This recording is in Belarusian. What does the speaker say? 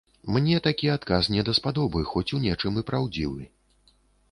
Мне такі адказ недаспадобы, хоць у нечым і праўдзівы.